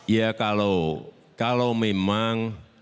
ya kalau kalau memang